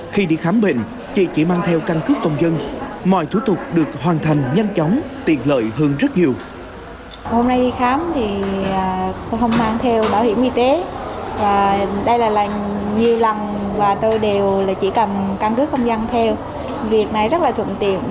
khi đi khám bệnh chị chỉ mang theo căn cước công dân mọi thủ tục được hoàn thành nhanh chóng tiện lợi hơn rất nhiều